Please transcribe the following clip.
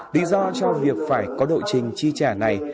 lý do cho việc phải có đội trình chi trả này